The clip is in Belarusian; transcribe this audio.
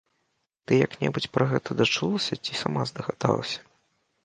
Ты як-небудзь пра гэта дачулася ці сама здагадалася?